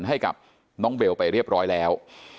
ให้กับน้องเบลไปเรียบร้อยแล้ว